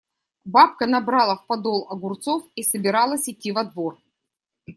Бабка набрала в подол огурцов и собиралась идти во двор.